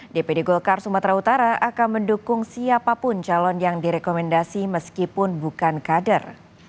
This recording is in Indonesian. dpd golkar sumatera utara akan mendukung siapapun calon yang direkomendasi meskipun bukan kader